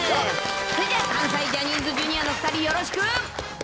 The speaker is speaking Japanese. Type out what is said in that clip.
それじゃ、関西ジャニーズＪｒ．の２人、よろしく。